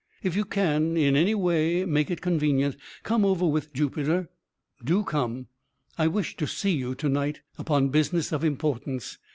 "If you can, in any way, make it convenient, come over with Jupiter. Do come. I wish to see you to night, upon business of importance.